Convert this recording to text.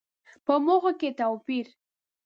په موخو کې توپير.